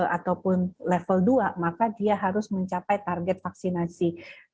ataupun level dua maka dia harus mencapai target vaksinasi